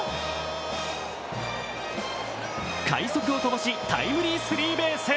快足を飛ばし、タイムリースリーベース。